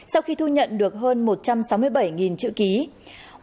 sau khi thu nhận được hơn một trăm sáu mươi ba đồng